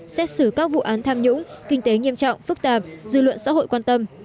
xét xử các vụ án tham nhũng kinh tế nghiêm trọng phức tạp dư luận xã hội quan tâm